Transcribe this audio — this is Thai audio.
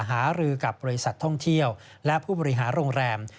หารือกับบริษัทท่องเที่ยวและผู้บริหารโรงแรม